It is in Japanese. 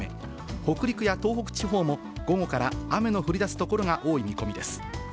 北陸や東北地方も午後から雨の降りだす所が多い見込みです。